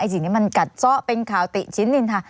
สิ่งนี้มันกัดซ่อเป็นข่าวติชิ้นนินทา